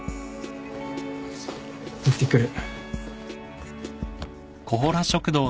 いってくる。